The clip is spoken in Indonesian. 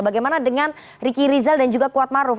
bagaimana dengan riki rizal dan juga kuatmaruf